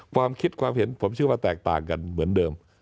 ความคิดความเห็นผมเชื่อว่าแตกต่างกันเหมือนเดิม